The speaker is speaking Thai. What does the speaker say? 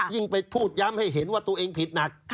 ยิ่งไปพูดย้ำให้เห็นว่าตัวเองผิดหนัก